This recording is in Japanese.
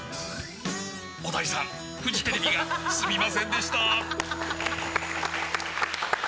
小田井さん、フジテレビがすみませんでした。